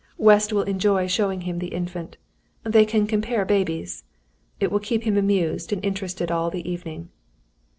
West will enjoy showing him the Infant. They can compare babies! It will keep him amused and interested all the evening."